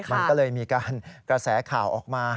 มันก็เลยมีการกระแสข่าวออกมา